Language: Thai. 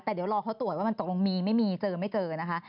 แต่เดี๋ยวรอเขาตรวจว่ามันตกลงมีไม่มีเจอไม่เจอนะคะ